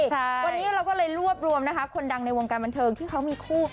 วันนี้เราก็เลยรวบรวมนะคะคนดังในวงการบันเทิงที่เขามีคู่